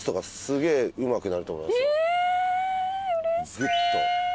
グッと。